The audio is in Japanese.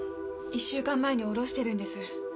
１週間前に下ろしてるんです。